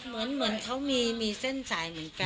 เหมือนเขามีเส้นสายเหมือนกัน